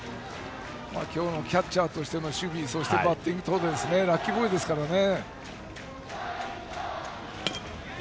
今日のキャッチャーとしての守備そしてバッティングとラッキーボーイですからね。